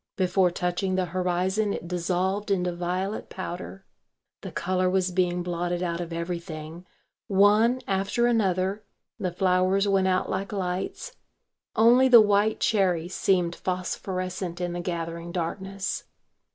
Before touching the horizon it dissolved into violet powder. The colour was being blotted out of everything; one after another the flowers went out like lights; only the white cherry seemed phosphorescent in the gathering darkness.